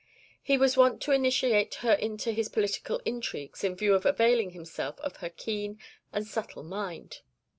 He was wont to initiate her into his political intrigues in view of availing himself of her keen and subtle mind.